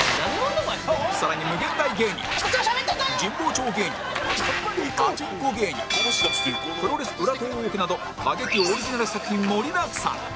更に∞芸人神保町芸人パチンコ芸人プロレス裏トーークなど過激オリジナル作品盛りだくさん